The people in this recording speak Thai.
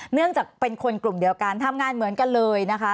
เนื่องจากเป็นคนกลุ่มเดียวกันทำงานเหมือนกันเลยนะคะ